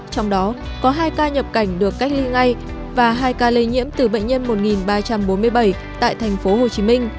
trong đó có hai ca nhập cảnh được cách ly ngay và hai ca lây nhiễm từ bệnh nhân một nghìn ba trăm bốn mươi bảy tại tp hcm